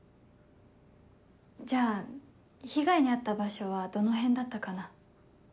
じゃあ被害に遭った場所はどの辺だったかな？